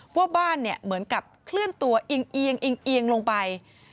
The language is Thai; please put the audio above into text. ว่าบ้านเหมือนกับเคลื่อนตัวอิงลงไป